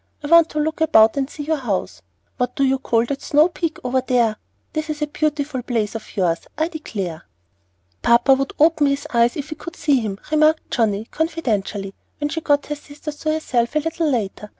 I want to look about and see your house. What do you call that snow peak over there? This is a beautiful place of yours, I declare." "Papa would open his eyes if he could see him," remarked Johnnie, confidentially, when she got her sisters to herself a little later.